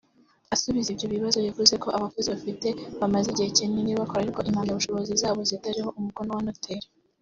Asubiza ibyo bibazo yavuze ko abakozi bafite bamaze igihe kinini bakora ariko impamyabushobozi zabo zitariho umukono wa Noteri